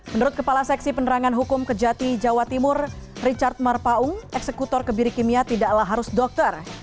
menurut kepala seksi penerangan hukum kejati jawa timur richard marpaung eksekutor kebiri kimia tidaklah harus dokter